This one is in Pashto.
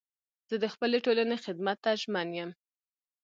زه د خپلي ټولني خدمت ته ژمن یم.